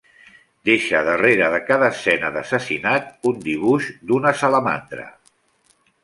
Deixa darrere de cada escena d'assassinat un dibuix d'una salamandra.